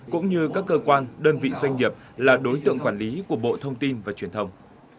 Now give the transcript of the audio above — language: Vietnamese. cũng như các cơ quan đơn vị doanh nghiệp là đối tượng quản lý của bộ thông tin và truyền thông